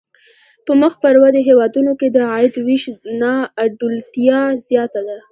په مخ پر ودې هېوادونو کې د عاید وېش نا انډولتیا زیاته ده.